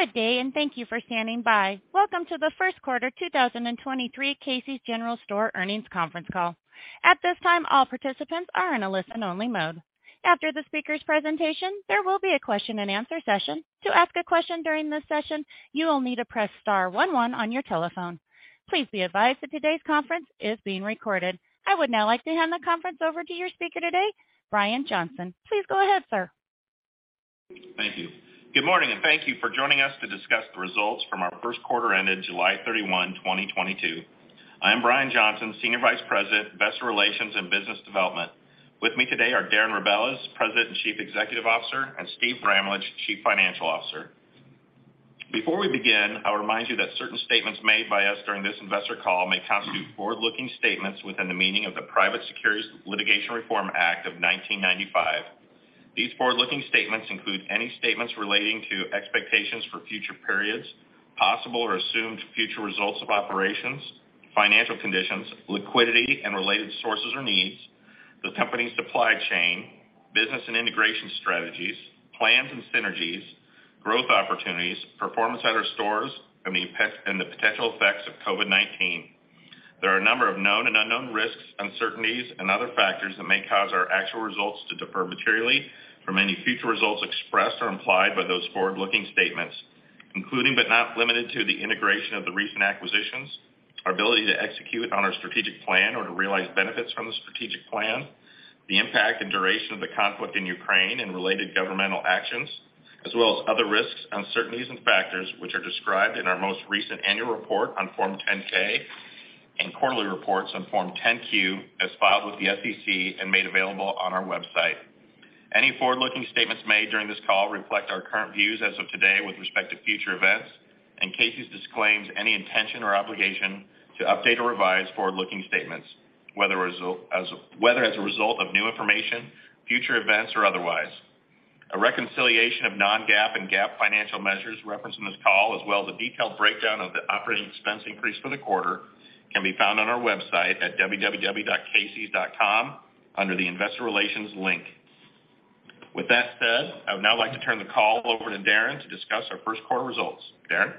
Good day, and thank you for standing by. Welcome to the First Quarter 2023 Casey's General Stores Earnings Conference call. At this time, all participants are in a listen-only mode. After the speaker's presentation, there will be a question-and-answer session. To ask a question during this session, you will need to press star one one on your telephone. Please be advised that today's conference is being recorded. I would now like to hand the conference over to your speaker today, Brian Johnson. Please go ahead, Sir. Thank you. Good morning, and thank you for joining us to discuss the results from our first quarter ended July 31, 2022. I am Brian Johnson, Senior Vice President, Investor Relations and Business Development. With me today are Darren Rebelez, President and Chief Executive Officer, and Steve Bramlage, Chief Financial Officer. Before we begin, I'll remind you that certain statements made by us during this investor call may constitute forward-looking statements within the meaning of the Private Securities Litigation Reform Act of 1995. These forward-looking statements include any statements relating to expectations for future periods, possible or assumed future results of operations, financial conditions, liquidity and related sources or needs, the company's supply chain, business and integration strategies, plans and synergies, growth opportunities, performance at our stores, and the potential effects of COVID-19. There are a number of known and unknown risks, uncertainties and other factors that may cause our actual results to differ materially from any future results expressed or implied by those forward-looking statements, including, but not limited to, the integration of the recent acquisitions, our ability to execute on our strategic plan or to realize benefits from the strategic plan, the impact and duration of the conflict in Ukraine and related governmental actions, as well as other risks, uncertainties and factors which are described in our most recent annual report on Form 10-K and quarterly reports on Form 10-Q as filed with the SEC and made available on our website. Any forward-looking statements made during this call reflect our current views as of today with respect to future events, and Casey's disclaims any intention or obligation to update or revise forward-looking statements, whether as a result of new information, future events, or otherwise. A reconciliation of non-GAAP and GAAP financial measures referenced in this call, as well as a detailed breakdown of the operating expense increase for the quarter, can be found on our website at www.caseys.com under the Investor Relations link. With that said, I would now like to turn the call over to Darren to discuss our first quarter results. Darren?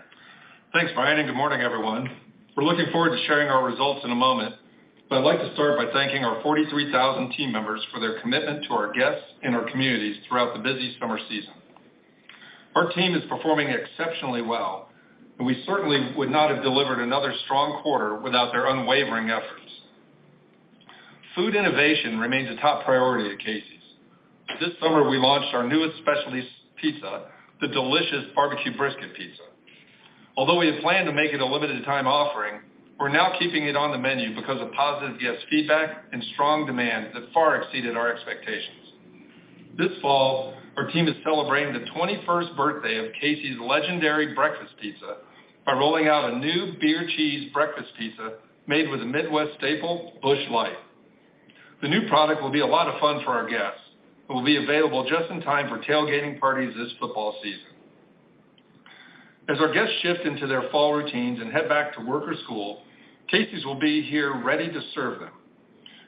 Thanks, Brian, and good morning, everyone. We're looking forward to sharing our results in a moment, but I'd like to start by thanking our 43,000 team members for their commitment to our guests and our communities throughout the busy summer season. Our team is performing exceptionally well, and we certainly would not have delivered another strong quarter without their unwavering efforts. Food innovation remains a top priority at Casey's. This summer, we launched our newest specialty pizza, the delicious barbecue brisket pizza. Although we had planned to make it a limited time offering, we're now keeping it on the menu because of positive guest feedback and strong demand that far exceeded our expectations. This fall, our team is celebrating the 21st birthday of Casey's legendary breakfast pizza by rolling out a new beer cheese breakfast pizza made with a Midwest staple, Busch Light. The new product will be a lot of fun for our guests. It will be available just in time for tailgating parties this football season. As our guests shift into their fall routines and head back to work or school, Casey's will be here ready to serve them.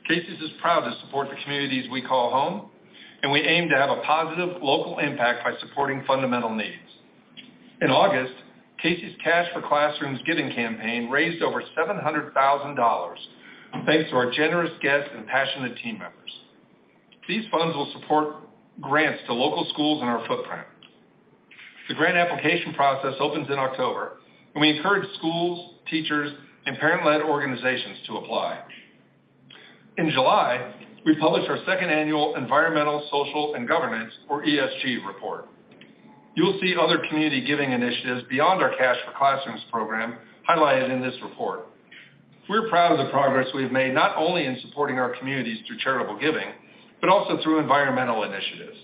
Casey's is proud to support the communities we call home, and we aim to have a positive local impact by supporting fundamental needs. In August, Casey's Cash for Classrooms giving campaign raised over $700,000, thanks to our generous guests and passionate team members. These funds will support grants to local schools in our footprint. The grant application process opens in October, and we encourage schools, teachers, and parent-led organizations to apply. In July, we published our second annual environmental, social, and governance, or ESG report. You will see other community giving initiatives beyond our Cash for Classrooms program highlighted in this report. We're proud of the progress we've made, not only in supporting our communities through charitable giving, but also through environmental initiatives.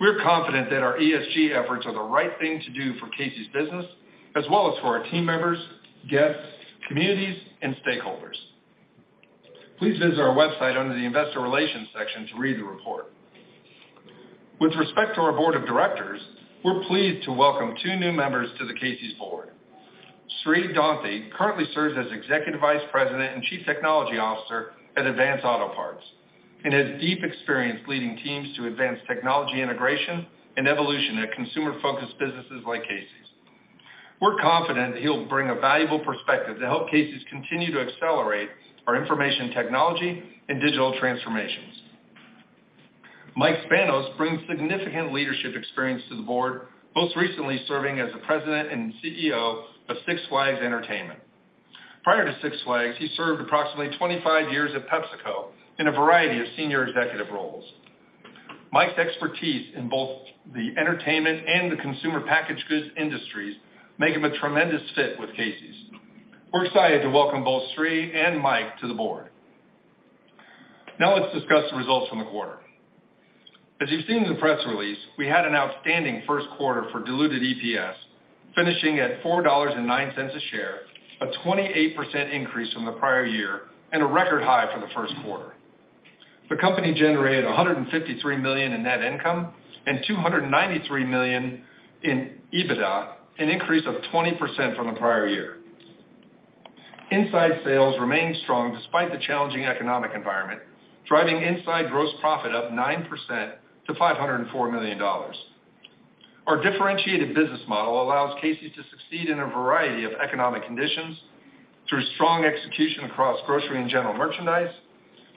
We're confident that our ESG efforts are the right thing to do for Casey's business as well as for our team members, guests, communities, and stakeholders. Please visit our website under the Investor Relations section to read the report. With respect to our board of directors, we're pleased to welcome two new members to the Casey's board. Sri Donthi currently serves as Executive Vice President and Chief Technology Officer at Advance Auto Parts and has deep experience leading teams to advance technology integration and evolution at consumer-focused businesses like Casey's. We're confident he'll bring a valuable perspective to help Casey's continue to accelerate our information technology and digital transformations. Mike Spanos brings significant leadership experience to the board, most recently serving as the President and CEO of Six Flags Entertainment. Prior to Six Flags, he served approximately 25 years at PepsiCo in a variety of senior executive roles. Mike's expertise in both the entertainment and the consumer packaged goods industries make him a tremendous fit with Casey's. We're excited to welcome both Sri and Mike to the board. Now let's discuss the results from the quarter. As you've seen in the press release, we had an outstanding first quarter for diluted EPS, finishing at $4.09 a share, a 28% increase from the prior year and a record high for the first quarter. The company generated $153 million in net income and $293 million in EBITDA, an increase of 20% from the prior year. Inside sales remained strong despite the challenging economic environment, driving inside gross profit up 9% to $504 million. Our differentiated business model allows Casey's to succeed in a variety of economic conditions through strong execution across grocery and general merchandise,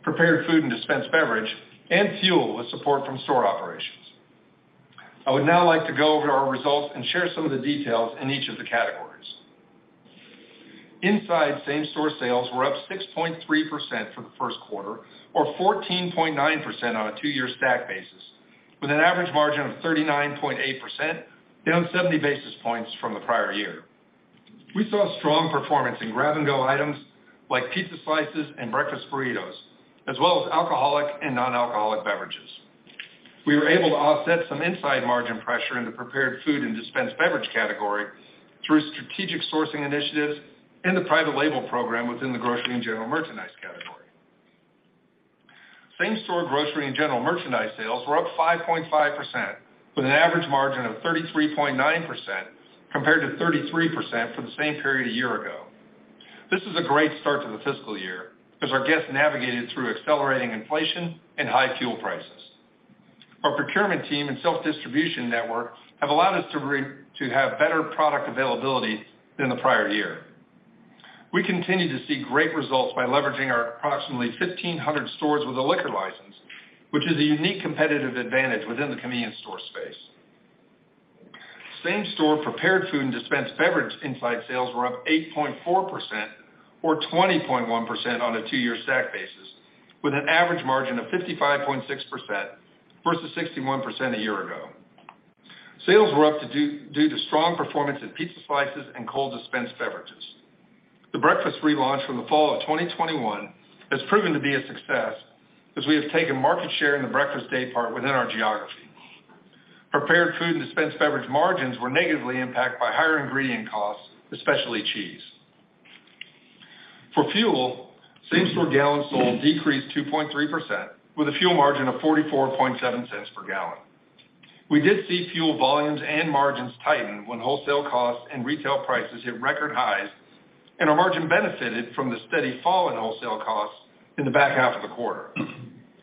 prepared food and dispensed beverage, and fuel with support from store operations. I would now like to go over our results and share some of the details in each of the categories. Inside same-store sales were up 6.3% for the first quarter, or 14.9% on a two-year stack basis, with an average margin of 39.8%, down 70 basis points from the prior year. We saw strong performance in grab-and-go items like pizza slices and breakfast burritos, as well as alcoholic and non-alcoholic beverages. We were able to offset some inside margin pressure in the prepared food and dispensed beverage category through strategic sourcing initiatives in the private label program within the grocery and general merchandise category. Same-store grocery and general merchandise sales were up 5.5%, with an average margin of 33.9% compared to 33% for the same period a year ago. This is a great start to the fiscal year as our guests navigated through accelerating inflation and high fuel prices. Our procurement team and self-distribution network have allowed us to have better product availability than the prior year. We continue to see great results by leveraging our approximately 1,500 stores with a liquor license, which is a unique competitive advantage within the convenience store space. Same-store Prepared Food and Dispensed Beverage inside sales were up 8.4%, or 20.1% on a two-year stack basis, with an average margin of 55.6% versus 61% a year ago. Sales were up due to strong performance in pizza slices and cold dispensed beverages. The breakfast relaunch from the fall of 2021 has proven to be a success as we have taken market share in the breakfast day part within our geography. Prepared Food and Dispensed Beverage margins were negatively impacted by higher ingredient costs, especially cheese. For fuel, same-store gallons sold decreased 2.3%, with a fuel margin of $0.447 per gallon. We did see fuel volumes and margins tighten when wholesale costs and retail prices hit record highs, and our margin benefited from the steady fall in wholesale costs in the back half of the quarter.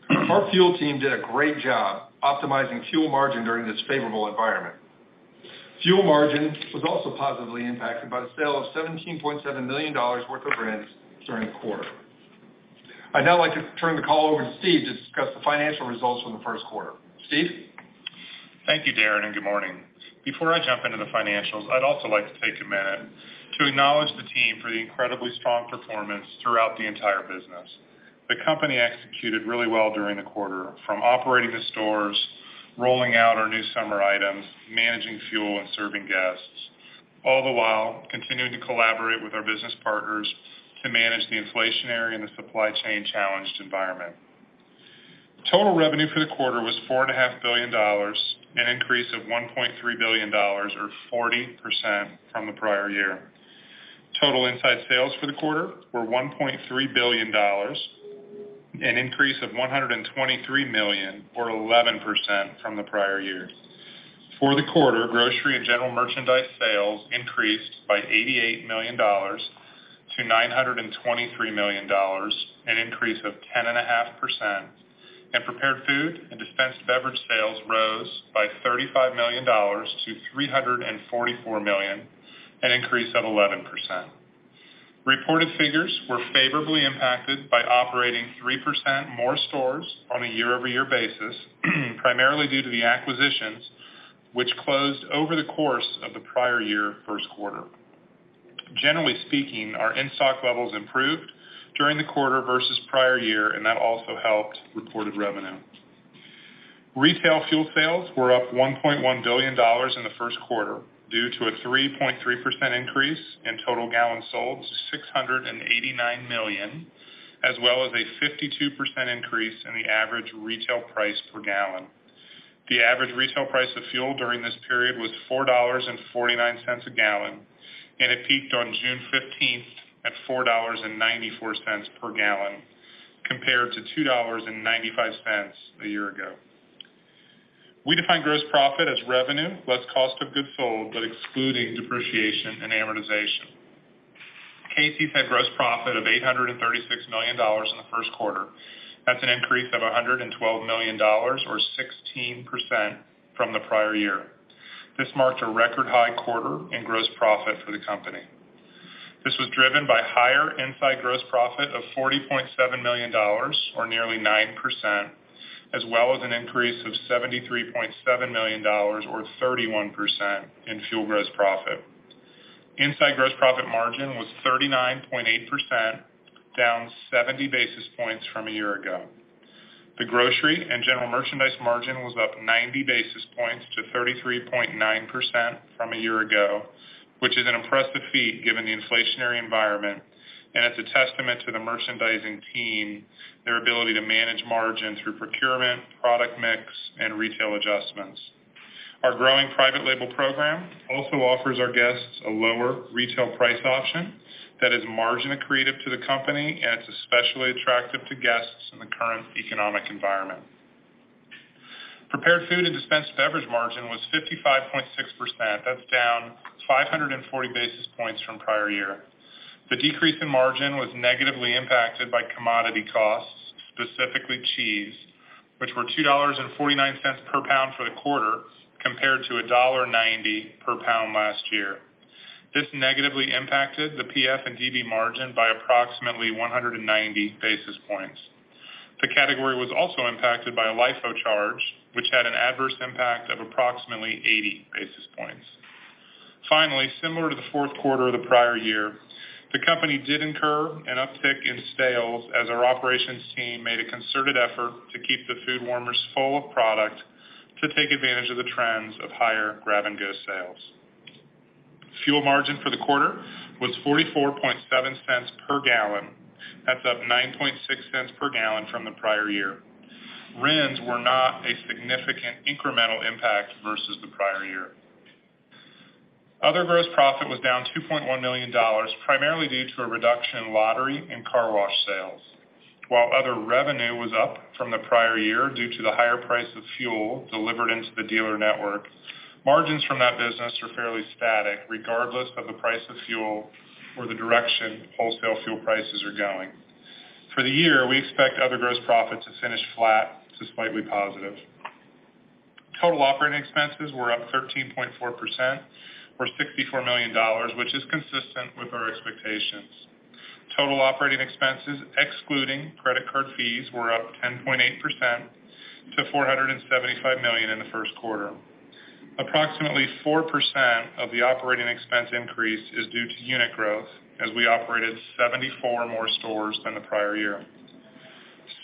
Our fuel team did a great job optimizing fuel margin during this favorable environment. Fuel margin was also positively impacted by the sale of $17.7 million worth of RINs during the quarter. I'd now like to turn the call over to Steve to discuss the financial results from the first quarter. Steve? Thank you, Darren, and good morning. Before I jump into the financials, I'd also like to take a minute to acknowledge the team for the incredibly strong performance throughout the entire business. The company executed really well during the quarter, from operating the stores, rolling out our new summer items, managing fuel and serving guests, all the while continuing to collaborate with our business partners to manage the inflationary and the supply chain challenged environment. Total revenue for the quarter was $4.5 billion, an increase of $1.3 billion or 40% from the prior year. Total inside sales for the quarter were $1.3 billion, an increase of $123 million or 11% from the prior year. For the quarter, grocery and general merchandise sales increased by $88 million to $923 million, an increase of 10.5%. Prepared food and dispensed beverage sales rose by $35 million to $344 million, an increase of 11%. Reported figures were favorably impacted by operating 3% more stores on a year-over-year basis, primarily due to the acquisitions which closed over the course of the prior year first quarter. Generally speaking, our in-stock levels improved during the quarter versus prior year, and that also helped reported revenue. Retail fuel sales were up $1.1 billion in the first quarter, due to a 3.3% increase in total gallons sold to 689 million, as well as a 52% increase in the average retail price per gallon. The average retail price of fuel during this period was $4.49 a gallon, and it peaked on June 15th at $4.94 per gallon, compared to $2.95 a year ago. We define gross profit as revenue, less cost of goods sold, but excluding depreciation and amortization. Casey's had gross profit of $836 million in the first quarter. That's an increase of $112 million or 16% from the prior year. This marked a record high quarter in gross profit for the company. This was driven by higher inside gross profit of $40.7 million or nearly 9%, as well as an increase of $73.7 million or 31% in fuel gross profit. Inside gross profit margin was 39.8%, down 70 basis points from a year ago. The grocery and general merchandise margin was up 90 basis points to 33.9% from a year ago, which is an impressive feat given the inflationary environment. It's a testament to the merchandising team, their ability to manage margin through procurement, product mix, and retail adjustments. Our growing private label program also offers our guests a lower retail price option that is margin accretive to the company, and it's especially attractive to guests in the current economic environment. Prepared Food and Dispensed Beverage margin was 55.6%. That's down 540 basis points from prior year. The decrease in margin was negatively impacted by commodity costs, specifically cheese, which were $2.49 per pound for the quarter compared to $1.90 per pound last year. This negatively impacted the PF and DB margin by approximately 190 basis points. The category was also impacted by a LIFO charge, which had an adverse impact of approximately 80 basis points. Finally, similar to the fourth quarter of the prior year, the company did incur an uptick in sales as our operations team made a concerted effort to keep the food warmers full of product to take advantage of the trends of higher grab-and-go sales. Fuel margin for the quarter was $0.447 per gallon. That's up $0.096 per gallon from the prior year. RINs were not a significant incremental impact versus the prior year. Other gross profit was down $2.1 million, primarily due to a reduction in lottery and car wash sales. While other revenue was up from the prior year due to the higher price of fuel delivered into the dealer network, margins from that business are fairly static regardless of the price of fuel or the direction wholesale fuel prices are going. For the year, we expect other gross profit to finish flat to slightly positive. Total operating expenses were up 13.4% or $64 million, which is consistent with our expectations. Total operating expenses, excluding credit card fees, were up 10.8% to $475 million in the first quarter. Approximately 4% of the operating expense increase is due to unit growth as we operated 74 more stores than the prior year.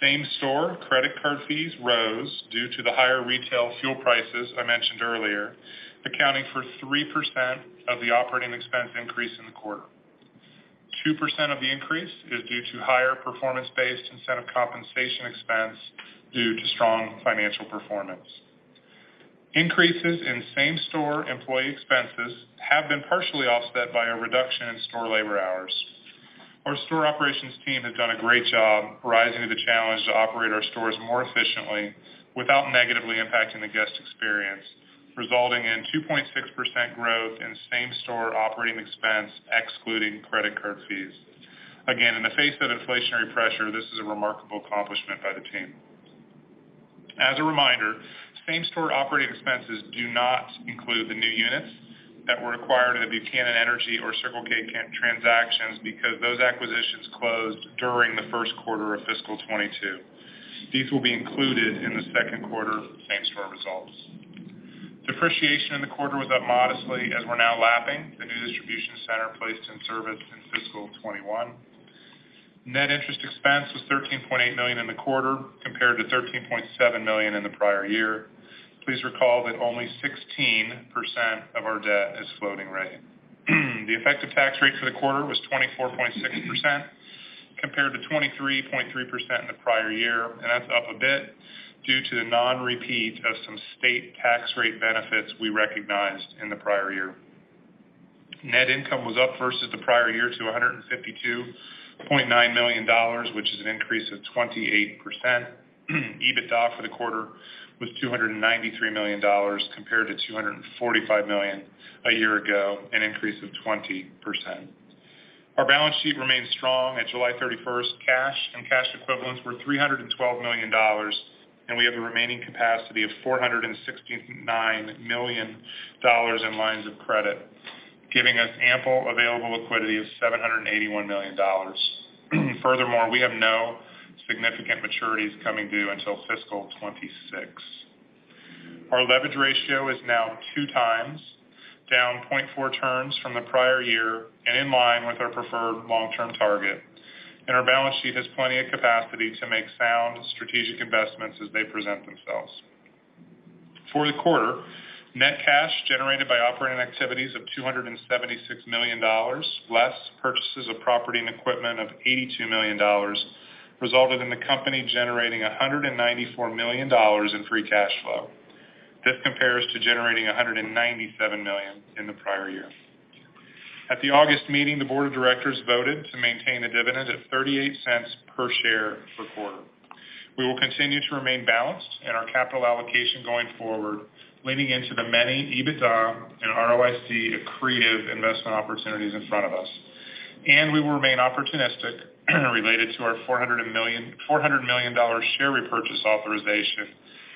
Same store credit card fees rose due to the higher retail fuel prices I mentioned earlier, accounting for 3% of the operating expense increase in the quarter. 2% of the increase is due to higher performance-based incentive compensation expense due to strong financial performance. Increases in same store employee expenses have been partially offset by a reduction in store labor hours. Our store operations team have done a great job rising to the challenge to operate our stores more efficiently without negatively impacting the guest experience, resulting in 2.6% growth in same store operating expense, excluding credit card fees. Again, in the face of inflationary pressure, this is a remarkable accomplishment by the team. As a reminder, same store operating expenses do not include the new units that were acquired in the Buchanan Energy or Circle K transactions because those acquisitions closed during the first quarter of fiscal 2022. These will be included in the second quarter same store results. Depreciation in the quarter was up modestly as we're now lapping the new distribution center placed in service in fiscal 2021. Net interest expense was $13.8 million in the quarter compared to $13.7 million in the prior year. Please recall that only 16% of our debt is floating rate. The effective tax rate for the quarter was 24.6% compared to 23.3% in the prior year, and that's up a bit due to the non-repeat of some state tax rate benefits we recognized in the prior year. Net income was up versus the prior year to $152.9 million, which is an increase of 28%. EBITDA for the quarter was $293 million compared to $245 million a year ago, an increase of 20%. Our balance sheet remains strong at July 31st. Cash and cash equivalents were $312 million, and we have the remaining capacity of $469 million in lines of credit, giving us ample available liquidity of $781 million. Furthermore, we have no significant maturities coming due until fiscal 2026. Our leverage ratio is now 2x, down 0.4 turns from the prior year and in line with our preferred long-term target. Our balance sheet has plenty of capacity to make sound strategic investments as they present themselves. For the quarter, net cash generated by operating activities of $276 million, less purchases of property and equipment of $82 million, resulted in the company generating $194 million in free cash flow. This compares to generating $197 million in the prior year. At the August meeting, the board of directors voted to maintain a dividend of $0.38 per share per quarter. We will continue to remain balanced in our capital allocation going forward, leaning into the many EBITDA and ROIC accretive investment opportunities in front of us. We will remain opportunistic related to our $400 million dollar share repurchase authorization,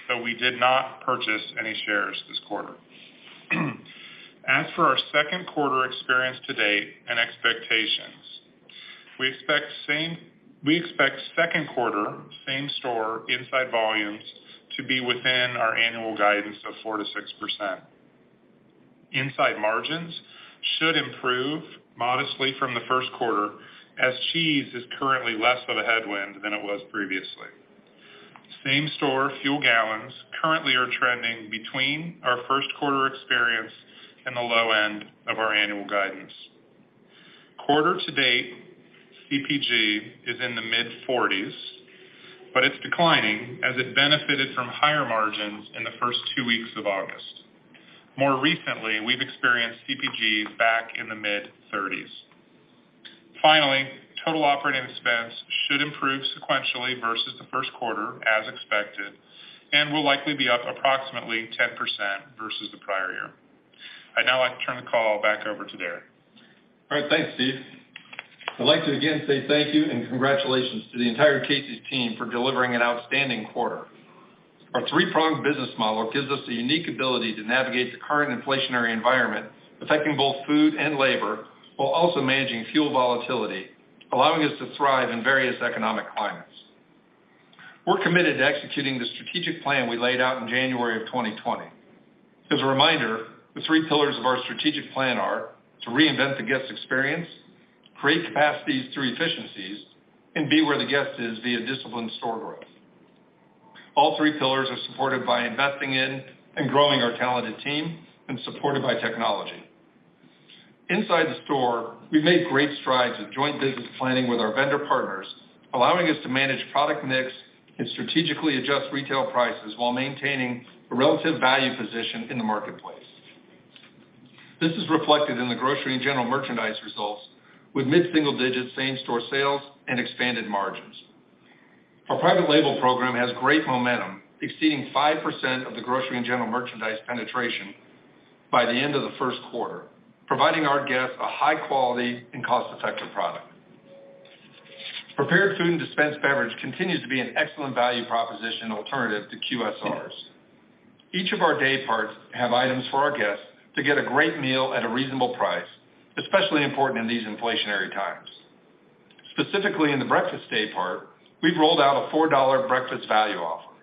but we did not purchase any shares this quarter. As for our second quarter experience to date and expectations, we expect second quarter same store inside volumes to be within our annual guidance of 4%-6%. Inside margins should improve modestly from the first quarter as cheese is currently less of a headwind than it was previously. Same store fuel gallons currently are trending between our first quarter experience and the low end of our annual guidance. Quarter to date, CPG is in the mid-40s%, but it's declining as it benefited from higher margins in the first two weeks of August. More recently, we've experienced CPG back in the mid-30s%. Total operating expense should improve sequentially versus the first quarter as expected, and will likely be up approximately 10% versus the prior year. I'd now like to turn the call back over to Darren. All right, thanks, Steve. I'd like to again say thank you and congratulations to the entire Casey's team for delivering an outstanding quarter. Our three-pronged business model gives us the unique ability to navigate the current inflationary environment, affecting both food and labor, while also managing fuel volatility, allowing us to thrive in various economic climates. We're committed to executing the strategic plan we laid out in January 2020. As a reminder, the three pillars of our strategic plan are to reinvent the guest experience, create capacities through efficiencies, and be where the guest is via disciplined store growth. All three pillars are supported by investing in and growing our talented team and supported by technology. Inside the store, we've made great strides in joint business planning with our vendor partners, allowing us to manage product mix and strategically adjust retail prices while maintaining a relative value position in the marketplace. This is reflected in the grocery and general merchandise results with mid-single-digit same-store sales and expanded margins. Our private label program has great momentum, exceeding 5% of the grocery and general merchandise penetration by the end of the first quarter, providing our guests a high-quality and cost-effective product. Prepared Food and Dispensed Beverage continues to be an excellent value proposition alternative to QSRs. Each of our day parts have items for our guests to get a great meal at a reasonable price, especially important in these inflationary times. Specifically, in the breakfast day part, we've rolled out a $4 breakfast value offer.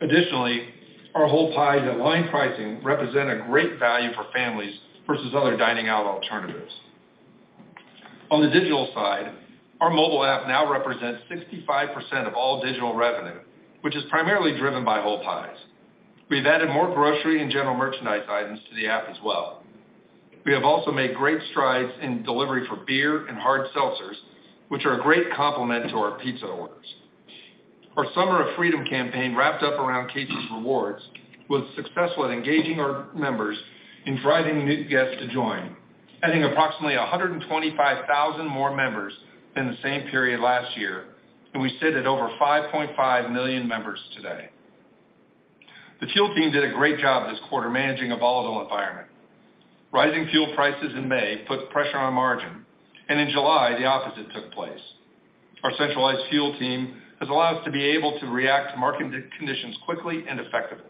Additionally, our whole pie and dine-in pricing represent a great value for families versus other dining out alternatives. On the digital side, our mobile app now represents 65% of all digital revenue, which is primarily driven by whole pies. We've added more grocery and general merchandise items to the app as well. We have also made great strides in delivery for beer and hard seltzers, which are a great complement to our pizza orders. Our Summer of Freedom campaign wrapped up around Casey's Rewards, was successful at engaging our members in driving new guests to join, adding approximately 125,000 more members than the same period last year, and we sit at over 5.5 million members today. The fuel team did a great job this quarter managing a volatile environment. Rising fuel prices in May put pressure on margin, and in July, the opposite took place. Our centralized fuel team has allowed us to be able to react to market conditions quickly and effectively.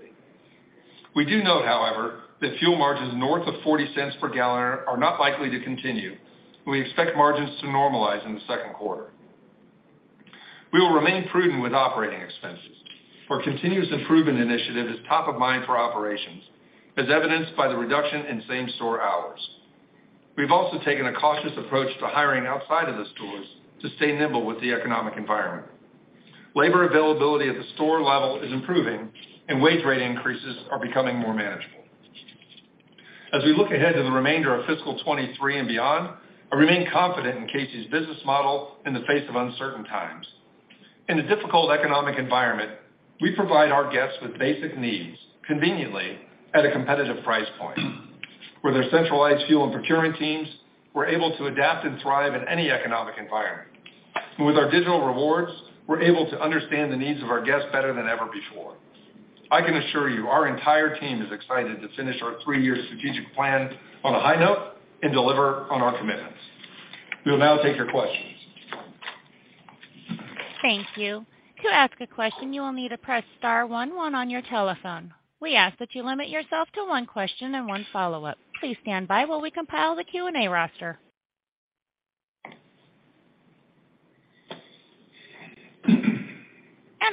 We do note, however, that fuel margins north of $0.40 per gallon are not likely to continue. We expect margins to normalize in the second quarter. We will remain prudent with operating expenses. Our continuous improvement initiative is top of mind for operations, as evidenced by the reduction in same-store hours. We've also taken a cautious approach to hiring outside of the stores to stay nimble with the economic environment. Labor availability at the store level is improving and wage rate increases are becoming more manageable. As we look ahead to the remainder of fiscal 2023 and beyond, I remain confident in Casey's business model in the face of uncertain times. In a difficult economic environment, we provide our guests with basic needs conveniently at a competitive price point. With our centralized fuel and procurement teams, we're able to adapt and thrive in any economic environment. With our digital rewards, we're able to understand the needs of our guests better than ever before. I can assure you our entire team is excited to finish our three-year strategic plan on a high note and deliver on our commitments. We'll now take your questions. Thank you. To ask a question, you will need to press star one one on your telephone. We ask that you limit yourself to one question and one follow-up. Please stand by while we compile the Q&A roster.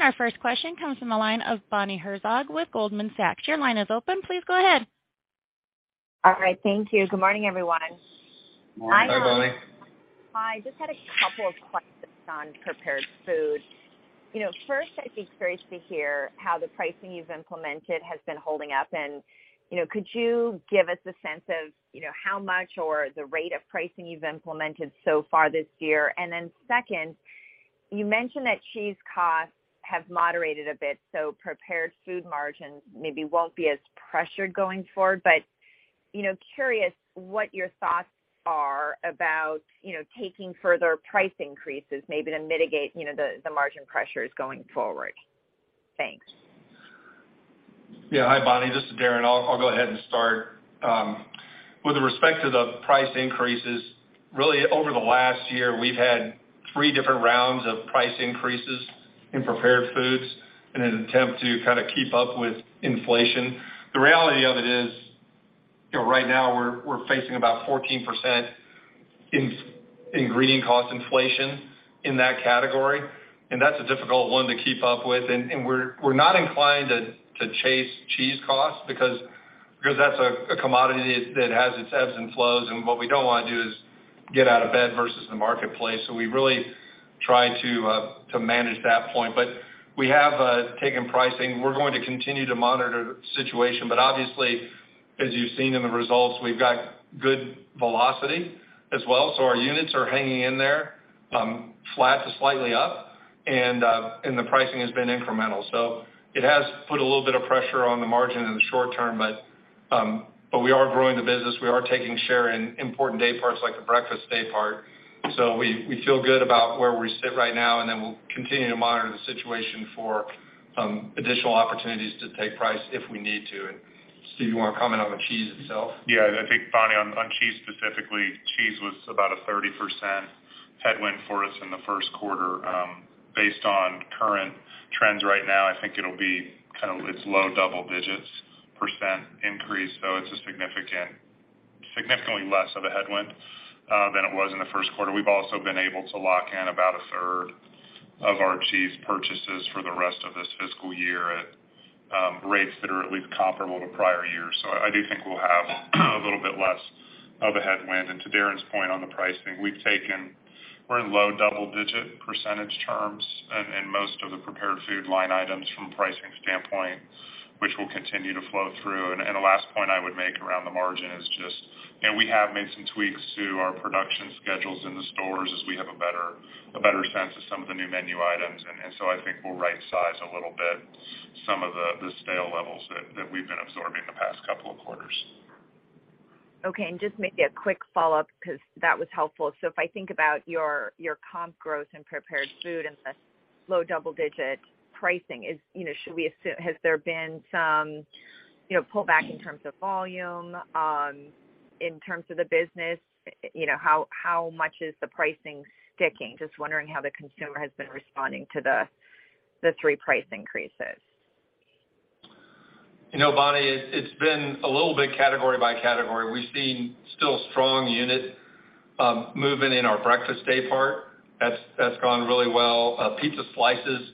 Our first question comes from the line of Bonnie Herzog with Goldman Sachs. Your line is open. Please go ahead. All right, thank you. Good morning, everyone. Morning. Hi, Bonnie. Hi. Just had a couple of questions on prepared food. You know, first, I'd be curious to hear how the pricing you've implemented has been holding up and, you know, could you give us a sense of, you know, how much or the rate of pricing you've implemented so far this year? Then second, you mentioned that cheese costs have moderated a bit, so prepared food margins maybe won't be as pressured going forward. You know, curious what your thoughts are about, you know, taking further price increases maybe to mitigate, you know, the margin pressures going forward. Thanks. Yeah. Hi, Bonnie, this is Darren. I'll go ahead and start. With respect to the price increases, really over the last year, we've had three different rounds of price increases in prepared foods in an attempt to kinda keep up with inflation. The reality of it is, you know, right now we're facing about 14% in ingredient cost inflation in that category, and that's a difficult one to keep up with. We're not inclined to chase cheese costs because that's a commodity that has its ebbs and flows, and what we don't wanna do is get out ahead of the marketplace. We really try to manage that point. We have taken pricing. We're going to continue to monitor the situation. Obviously, as you've seen in the results, we've got good velocity as well, so our units are hanging in there, flat to slightly up, and the pricing has been incremental. It has put a little bit of pressure on the margin in the short term, but we are growing the business. We are taking share in important day parts like the breakfast day part. We feel good about where we sit right now, and then we'll continue to monitor the situation for additional opportunities to take price if we need to. Steve, you wanna comment on the cheese itself? Yeah. I think, Bonnie, on cheese specifically, cheese was about a 30% headwind for us in the first quarter. Based on current trends right now, I think it'll be kind of it's low double digits percent increase, so it's significantly less of a headwind than it was in the first quarter. We've also been able to lock in about a third of our cheese purchases for the rest of this fiscal year at rates that are at least comparable to prior years. I do think we'll have a little bit less of a headwind. To Darren's point on the pricing, we're in low double digit percentage terms in most of the prepared food line items from a pricing standpoint, which will continue to flow through. The last point I would make around the margin is just, you know, we have made some tweaks to our production schedules in the stores as we have a better sense of some of the new menu items. I think we'll right size a little bit some of the stale levels that we've been absorbing the past couple of quarters. Okay. Just maybe a quick follow-up because that was helpful. If I think about your comp growth in prepared food and the low double-digit pricing, you know, has there been some pullback in terms of volume in terms of the business? You know, how much is the pricing sticking? Just wondering how the consumer has been responding to the three price increases. You know, Bonnie, it's been a little bit category by category. We've seen still strong unit movement in our breakfast daypart. That's gone really well. Pizza slices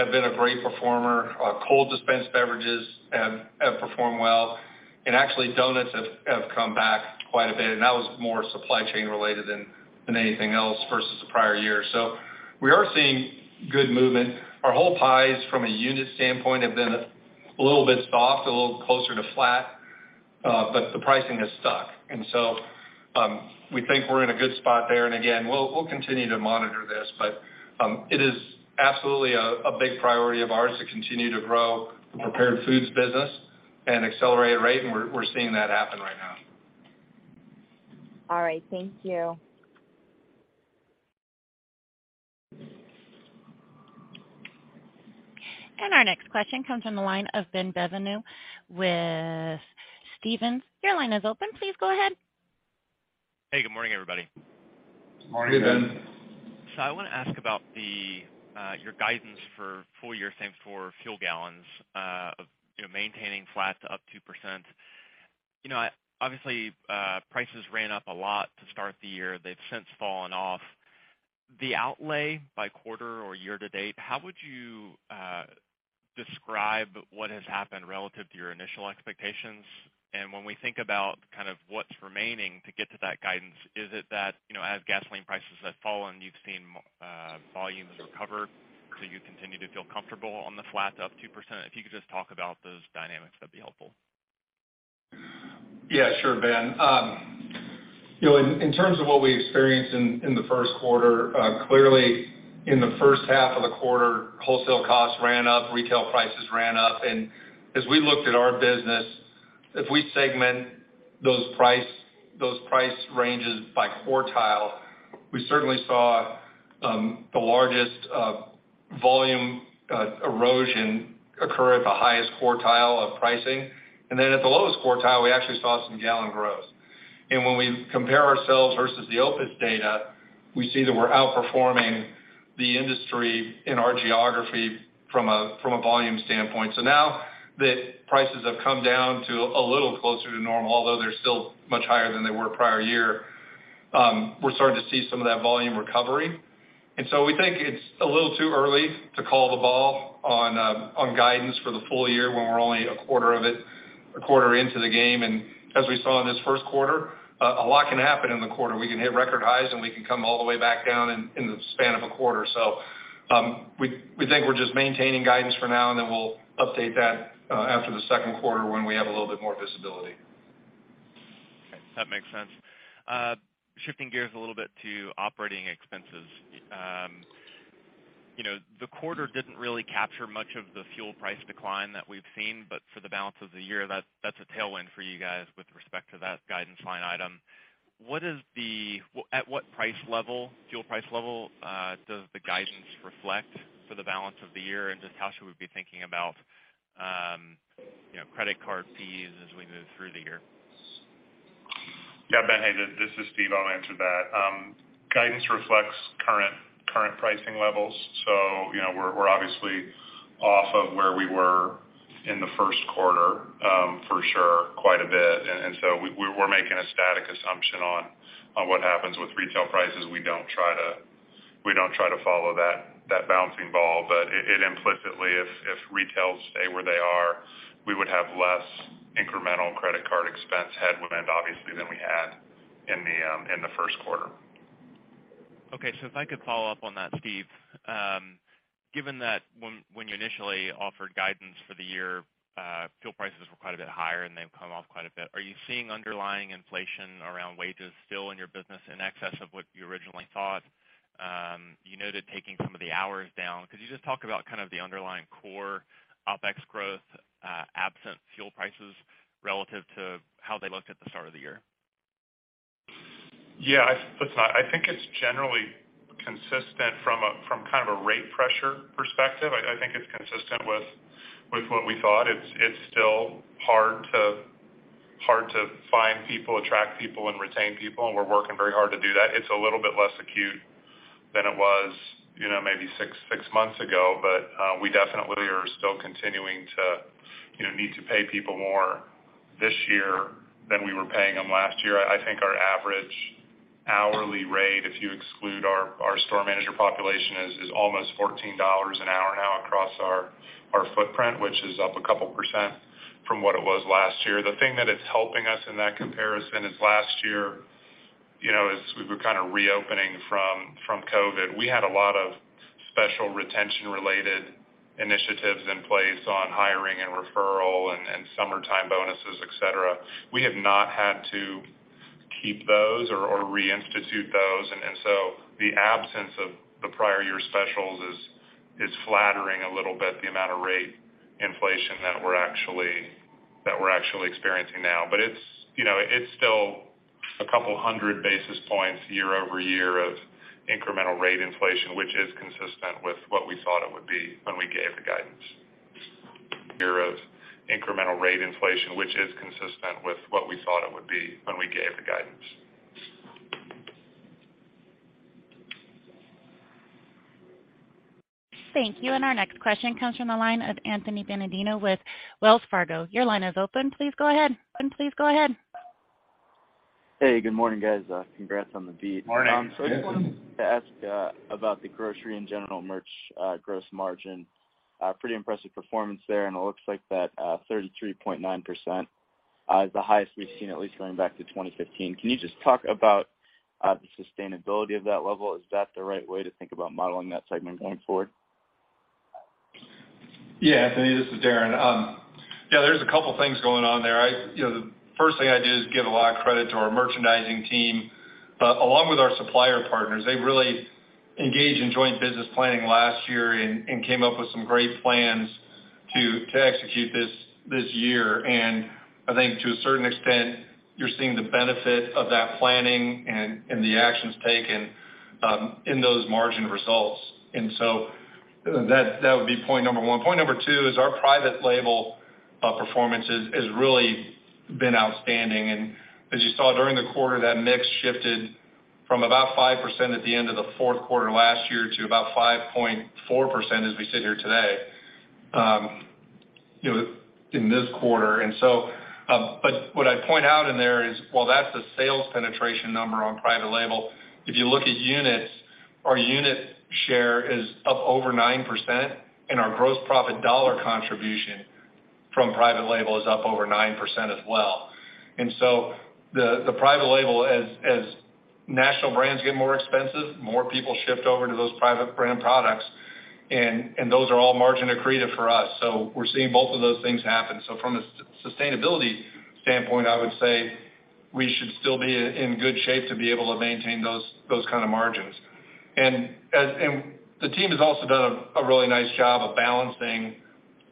have been a great performer. Cold dispensed beverages have performed well. Actually, donuts have come back quite a bit, and that was more supply chain related than anything else versus the prior year. We're seeing good movement. Our whole pies from a unit standpoint have been a little bit soft, a little closer to flat, but the pricing has stuck. We think we're in a good spot there. Again, we'll continue to monitor this. It is absolutely a big priority of ours to continue to grow the prepared foods business at an accelerated rate, and we're seeing that happen right now. All right. Thank you. Our next question comes from the line of Ben Bienvenu with Stephens. Your line is open. Please go ahead. Hey, good morning, everybody. Morning, Ben. Morning. I wanna ask about your guidance for full year same-store fuel gallons of maintaining flat to up 2%. You know, obviously, prices ran up a lot to start the year. They've since fallen off. The outlook by quarter or year to date, how would you describe what has happened relative to your initial expectations? When we think about kind of what's remaining to get to that guidance, is it that, you know, as gasoline prices have fallen, you've seen volumes recover, so you continue to feel comfortable on the flat to up 2%? If you could just talk about those dynamics, that'd be helpful. Yeah, sure, Ben. You know, in terms of what we experienced in the first quarter, clearly, in the first half of the quarter, wholesale costs ran up, retail prices ran up. As we looked at our business, if we segment those price ranges by quartile, we certainly saw the largest volume erosion occur at the highest quartile of pricing. Then at the lowest quartile, we actually saw some gallon growth. When we compare ourselves versus the OPIS data, we see that we're outperforming the industry in our geography from a volume standpoint. Now that prices have come down to a little closer to normal, although they're still much higher than they were prior year, we're starting to see some of that volume recovery. We think it's a little too early to call the ball on guidance for the full year when we're only a quarter of it, a quarter into the game. As we saw in this first quarter, a lot can happen in the quarter. We can hit record highs, and we can come all the way back down in the span of a quarter. We think we're just maintaining guidance for now, and then we'll update that after the second quarter when we have a little bit more visibility. Okay. That makes sense. Shifting gears a little bit to operating expenses. You know, the quarter didn't really capture much of the fuel price decline that we've seen, but for the balance of the year, that's a tailwind for you guys with respect to that guidance line item. At what price level, fuel price level, does the guidance reflect for the balance of the year? And just how should we be thinking about, you know, credit card fees as we move through the year? Yeah, Ben. Hey, this is Steve. I'll answer that. Guidance reflects current pricing levels. You know, we're obviously off of where we were in the first quarter, for sure, quite a bit. We're making a static assumption on what happens with retail prices. We don't try to follow that bouncing ball. It implicitly, if retails stay where they are, we would have less incremental credit card expense headwind obviously than we had in the first quarter. Okay. If I could follow up on that, Steve, Given that when you initially offered guidance for the year, fuel prices were quite a bit higher, and they've come off quite a bit, are you seeing underlying inflation around wages still in your business in excess of what you originally thought? You noted taking some of the hours down. Could you just talk about kind of the underlying core OpEx growth, absent fuel prices relative to how they looked at the start of the year? Yeah, listen, I think it's generally consistent from kind of a rate pressure perspective. I think it's consistent with what we thought. It's still hard to find people, attract people, and retain people, and we're working very hard to do that. It's a little bit less acute than it was, you know, maybe six months ago, but we definitely are still continuing to, you know, need to pay people more this year than we were paying them last year. I think our average hourly rate, if you exclude our store manager population, is almost $14 an hour now across our footprint, which is up a couple% from what it was last year. The thing that is helping us in that comparison is last year, you know, as we were kind of reopening from COVID, we had a lot of special retention-related initiatives in place on hiring and referral and summertime bonuses, et cetera. We have not had to keep those or reinstitute those. The absence of the prior year specials is flattering a little bit the amount of rate inflation that we're actually experiencing now. It's, you know, it's still a couple hundred basis points year-over-year of incremental rate inflation, which is consistent with what we thought it would be when we gave the guidance. Year of incremental rate inflation, which is consistent with what we thought it would be when we gave the guidance. Thank you. Our next question comes from the line of Anthony Bonadio with Wells Fargo. Your line is open. Please go ahead. Hey, good morning, guys. Congrats on the beat. Morning. I just wanted to ask about the grocery and general merch gross margin. Pretty impressive performance there, and it looks like that 33.9% is the highest we've seen at least going back to 2015. Can you just talk about the sustainability of that level? Is that the right way to think about modeling that segment going forward? Yeah, Anthony, this is Darren. Yeah, there's a couple things going on there. You know, the first thing I do is give a lot of credit to our merchandising team, along with our supplier partners. They really engaged in joint business planning last year and came up with some great plans to execute this year. I think to a certain extent, you're seeing the benefit of that planning and the actions taken in those margin results. That would be point number one. Point number two is our private label performance has really been outstanding. As you saw during the quarter, that mix shifted from about 5% at the end of the fourth quarter last year to about 5.4% as we sit here today, you know, in this quarter. What I'd point out in there is, while that's the sales penetration number on private label, if you look at units, our unit share is up over 9%, and our gross profit dollar contribution from private label is up over 9% as well. Private label as national brands get more expensive, more people shift over to those private brand products, and those are all margin accretive for us. We're seeing both of those things happen. From a sustainability standpoint, I would say we should still be in good shape to be able to maintain those kind of margins. The team has also done a really nice job of balancing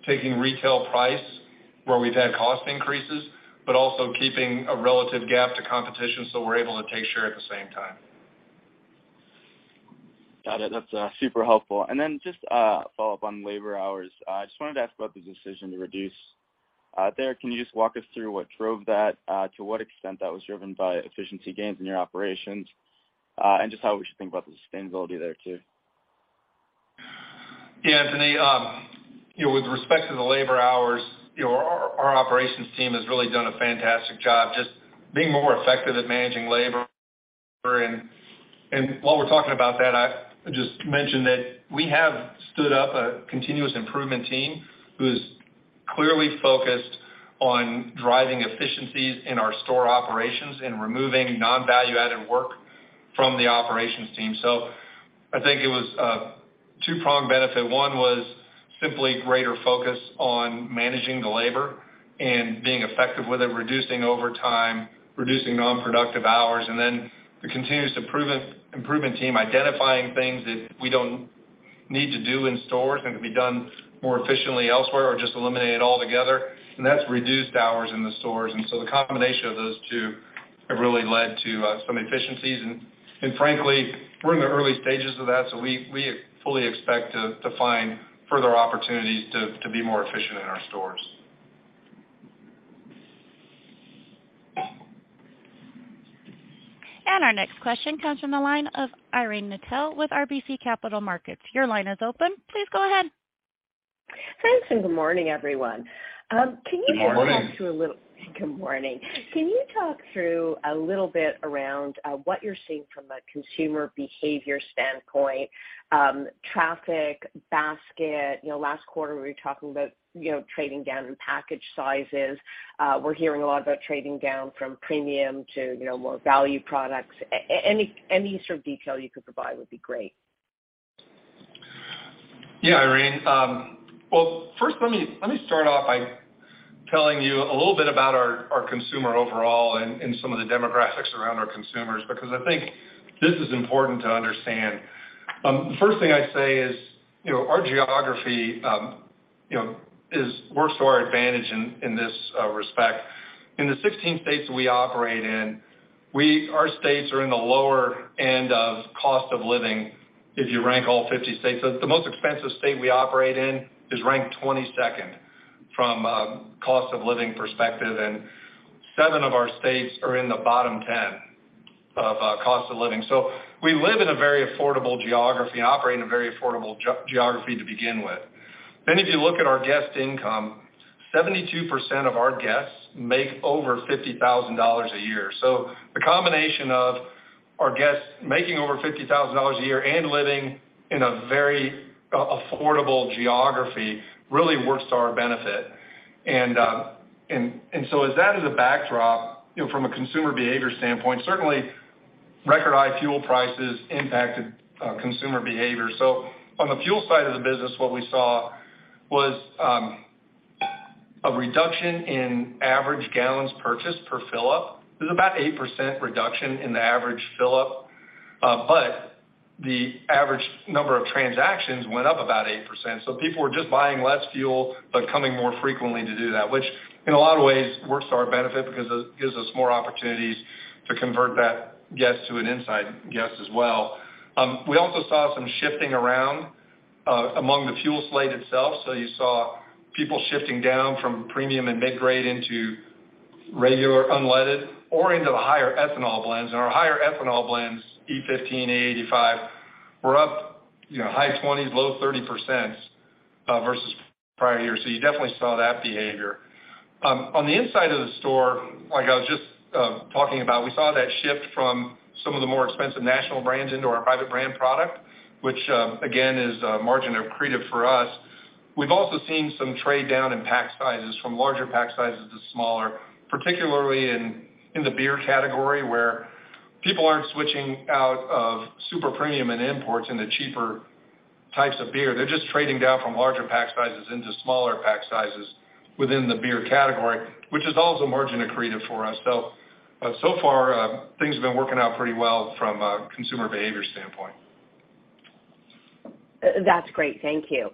taking retail price where we've had cost increases, but also keeping a relative gap to competition, so we're able to take share at the same time. Got it. That's super helpful. Just a follow-up on labor hours. I just wanted to ask about the decision to reduce there. Can you just walk us through what drove that to what extent that was driven by efficiency gains in your operations, and just how we should think about the sustainability there too? Yeah, Anthony, you know, with respect to the labor hours, you know, our operations team has really done a fantastic job just being more effective at managing labor. While we're talking about that, I just mentioned that we have stood up a continuous improvement team who's clearly focused on driving efficiencies in our store operations and removing non-value-added work from the operations team. I think it was a two-pronged benefit. One was simply greater focus on managing the labor and being effective with it, reducing overtime, reducing non-productive hours, and then the continuous improvement team identifying things that we don't need to do in stores and can be done more efficiently elsewhere or just eliminate it altogether. That's reduced hours in the stores. The combination of those two have really led to some efficiencies. Frankly, we're in the early stages of that, so we fully expect to find further opportunities to be more efficient in our stores. Our next question comes from the line of Irene Nattel with RBC Capital Markets. Your line is open. Please go ahead. Thanks, and good morning, everyone. Can you- Good morning. Good morning. Can you talk through a little bit around what you're seeing from a consumer behavior standpoint, traffic, basket? You know, last quarter, we were talking about, you know, trading down in package sizes. We're hearing a lot about trading down from premium to, you know, more value products. Any sort of detail you could provide would be great. Yeah, Irene. Well, first let me start off by telling you a little bit about our consumer overall and some of the demographics around our consumers, because I think this is important to understand. The first thing I'd say is, you know, our geography works to our advantage in this respect. In the 16 states we operate in, our states are in the lower end of cost of living if you rank all 50 states. The most expensive state we operate in is ranked 22nd from cost of living perspective, and seven of our states are in the bottom 10 of cost of living. We live in a very affordable geography and operate in a very affordable geography to begin with. If you look at our guest income, 72% of our guests make over $50,000 a year. The combination of our guests making over $50,000 a year and living in a very affordable geography really works to our benefit. As that is a backdrop, you know, from a consumer behavior standpoint, certainly record high fuel prices impacted consumer behavior. On the fuel side of the business, what we saw was a reduction in average gallons purchased per fill-up. It was about 8% reduction in the average fill-up, but the average number of transactions went up about 8%. People were just buying less fuel, but coming more frequently to do that, which in a lot of ways works to our benefit because it gives us more opportunities to convert that guest to an inside guest as well. We also saw some shifting around among the fuel slate itself. You saw people shifting down from premium and mid-grade into regular unleaded or into the higher ethanol blends. Our higher ethanol blends, E15, E85, were up, you know, high 20s, low 30s%, versus prior year. You definitely saw that behavior. On the inside of the store, like I was just talking about, we saw that shift from some of the more expensive national brands into our private brand product, which, again, is margin accretive for us. We've also seen some trade down in pack sizes from larger pack sizes to smaller, particularly in the beer category, where people aren't switching out of super premium and imports into cheaper types of beer. They're just trading down from larger pack sizes into smaller pack sizes within the beer category, which is also margin accretive for us. So far, things have been working out pretty well from a consumer behavior standpoint. That's great. Thank you.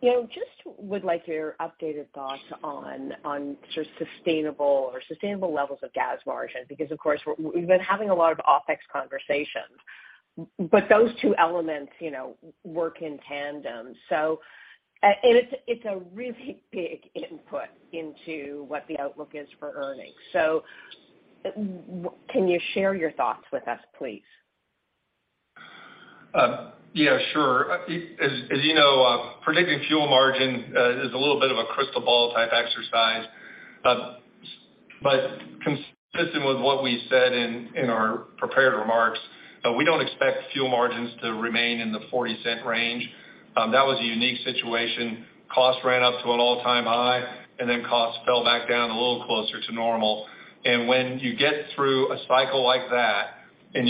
You know, just would like your updated thoughts on sort of sustainable levels of gas margins, because of course, we've been having a lot of OpEx conversations, but those two elements, you know, work in tandem. It's a really big input into what the outlook is for earnings. Can you share your thoughts with us, please? As you know, predicting fuel margin is a little bit of a crystal ball type exercise. Consistent with what we said in our prepared remarks, we don't expect fuel margins to remain in the $0.40 range. That was a unique situation. Costs ran up to an all-time high, and then costs fell back down a little closer to normal. When you get through a cycle like that and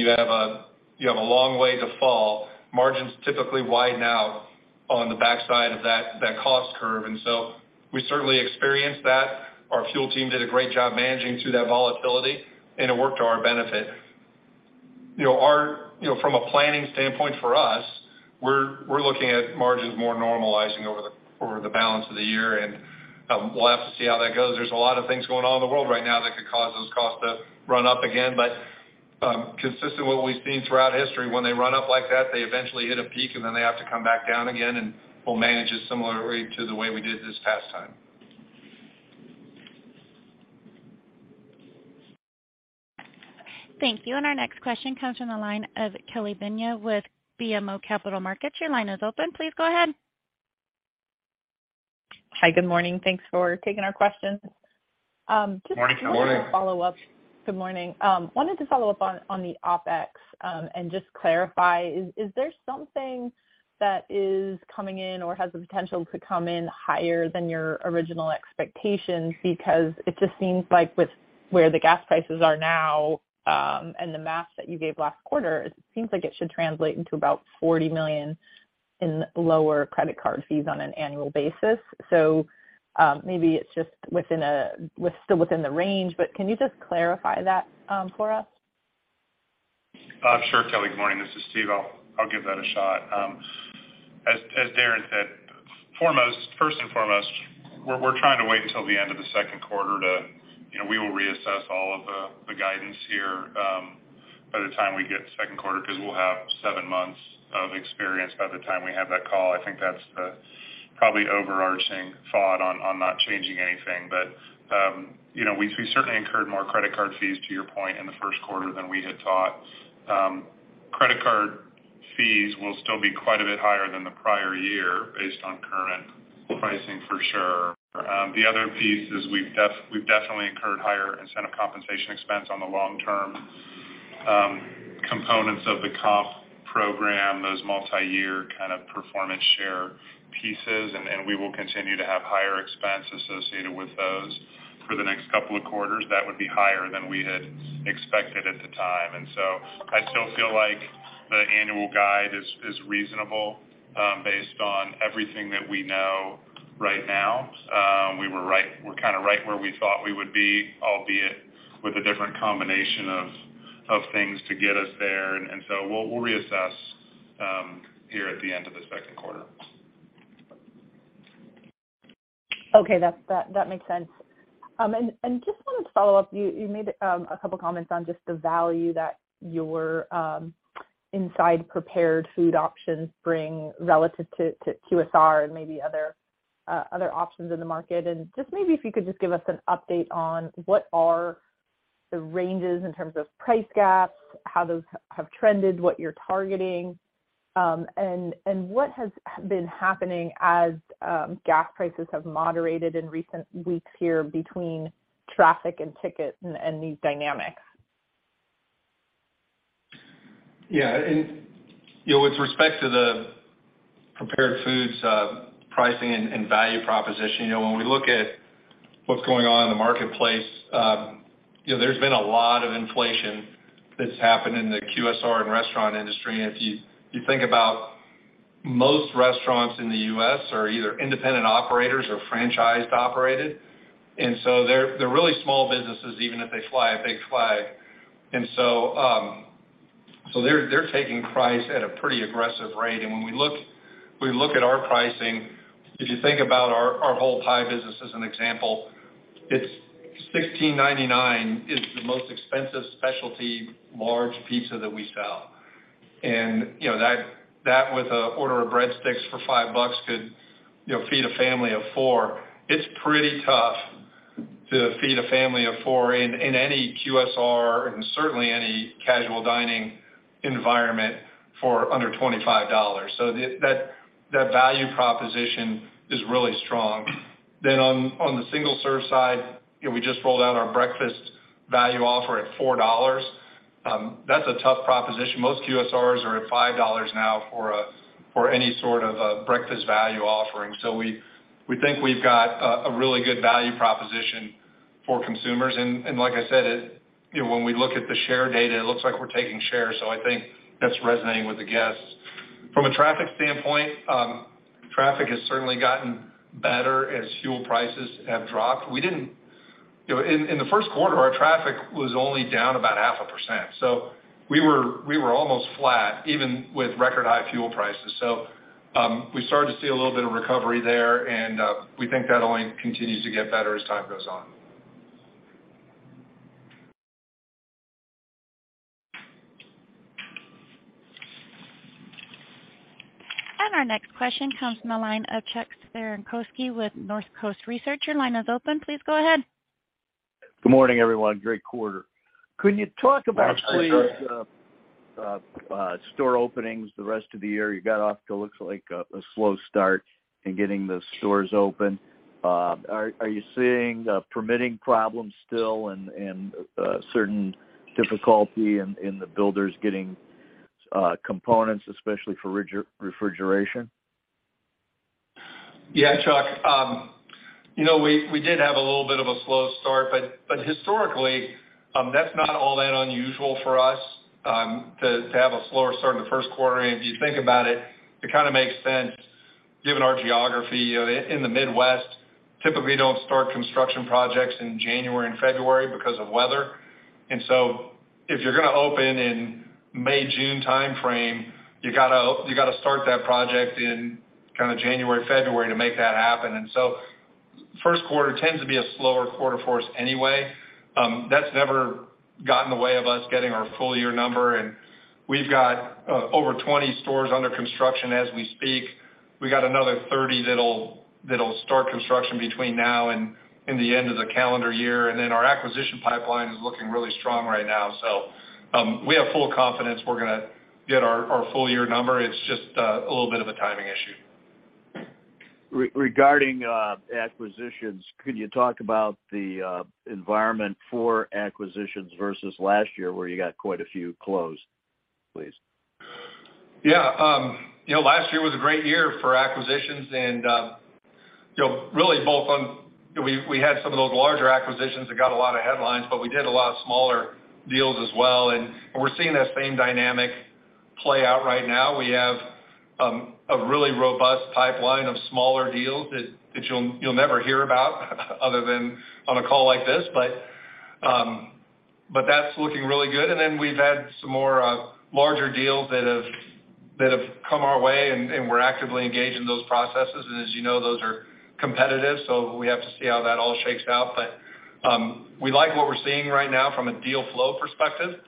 you have a long way to fall, margins typically widen out on the backside of that cost curve. We certainly experienced that. Our fuel team did a great job managing through that volatility, and it worked to our benefit. You know, you know, from a planning standpoint for us, we're looking at margins more normalizing over the balance of the year, and we'll have to see how that goes. There's a lot of things going on in the world right now that could cause those costs to run up again. Consistent with what we've seen throughout history, when they run up like that, they eventually hit a peak, and then they have to come back down again, and we'll manage it similarly to the way we did this past time. Thank you. Our next question comes from the line of Kelly Bania with BMO Capital Markets. Your line is open. Please go ahead. Hi, good morning. Thanks for taking our questions. Morning. Just a follow-up. Good morning. Wanted to follow up on the OpEx, and just clarify, is there something that is coming in or has the potential to come in higher than your original expectations? Because it just seems like with where the gas prices are now, and the math that you gave last quarter, it seems like it should translate into about $40 million in lower credit card fees on an annual basis. Maybe it's just still within the range, but can you just clarify that for us? Sure, Kelly. Good morning. This is Steve. I'll give that a shot. As Darren said, first and foremost, we're trying to wait until the end of the second quarter. We will reassess all of the guidance here by the time we get to the second quarter, because we'll have seven months of experience by the time we have that call. I think that's the probably overarching thought on not changing anything. You know, we certainly incurred more credit card fees, to your point, in the first quarter than we had thought. Credit card fees will still be quite a bit higher than the prior year based on current pricing for sure. The other piece is we've definitely incurred higher incentive compensation expense on the long term components of the comp program, those multiyear kind of performance share pieces, and we will continue to have higher expense associated with those. For the next couple of quarters, that would be higher than we had expected at the time. I still feel like the annual guide is reasonable based on everything that we know right now. We're kind of right where we thought we would be, albeit with a different combination of things to get us there. We'll reassess here at the end of this second quarter. Okay. That makes sense. Just wanted to follow up. You made a couple comments on just the value that your inside prepared food options bring relative to QSR and maybe other options in the market. Just maybe if you could just give us an update on what are the ranges in terms of price gaps, how those have trended, what you're targeting, and what has been happening as gas prices have moderated in recent weeks here between traffic and tickets and these dynamics. Yeah. You know, with respect to the prepared foods, pricing and value proposition, you know, when we look at what's going on in the marketplace, you know, there's been a lot of inflation that's happened in the QSR and restaurant industry. If you think about most restaurants in the U.S. are either independent operators or franchised operated. They're really small businesses, even if they fly a big flag. They're taking price at a pretty aggressive rate. When we look at our pricing, if you think about our whole pie business as an example, it's $16.99 is the most expensive specialty large pizza that we sell. You know, that with an order of breadsticks for $5 could, you know, feed a family of four. It's pretty tough to feed a family of four in any QSR and certainly any casual dining environment for under $25. That value proposition is really strong. On the single serve side, you know, we just rolled out our breakfast value offer at $4. That's a tough proposition. Most QSRs are at $5 now for any sort of a breakfast value offering. We think we've got a really good value proposition for consumers. Like I said, you know, when we look at the share data, it looks like we're taking shares. I think that's resonating with the guests. From a traffic standpoint, traffic has certainly gotten better as fuel prices have dropped. You know, in the first quarter, our traffic was only down about half a percent, so we were almost flat even with record high fuel prices. We started to see a little bit of recovery there, and we think that only continues to get better as time goes on. Our next question comes from the line of Chuck Cerankosky with Northcoast Research. Your line is open. Please go ahead. Good morning, everyone. Great quarter. Could you talk about, please, store openings the rest of the year? You got off to looks like a slow start in getting the stores open. Are you seeing permitting problems still and certain difficulty in the builders getting components, especially for refrigeration? Yeah, Chuck. You know, we did have a little bit of a slow start, but historically, that's not all that unusual for us, to have a slower start in the first quarter. If you think about it kind of makes sense given our geography. You know, in the Midwest, typically don't start construction projects in January and February because of weather. If you're gonna open in May, June timeframe, you gotta start that project in kind of January, February to make that happen. First quarter tends to be a slower quarter for us anyway. That's never got in the way of us getting our full year number, and we've got over 20 stores under construction as we speak. We got another 30 that'll start construction between now and in the end of the calendar year. Then our acquisition pipeline is looking really strong right now. We have full confidence we're gonna get our full year number. It's just a little bit of a timing issue. Regarding acquisitions, could you talk about the environment for acquisitions versus last year where you got quite a few closed, please? Yeah. You know, last year was a great year for acquisitions and, you know, we had some of those larger acquisitions that got a lot of headlines, but we did a lot of smaller deals as well. We're seeing that same dynamic play out right now. We have a really robust pipeline of smaller deals that you'll never hear about other than on a call like this. That's looking really good. Then we've had some more larger deals that have come our way, and we're actively engaged in those processes. As you know, those are competitive. We have to see how that all shakes out. We like what we're seeing right now from a deal flow perspective.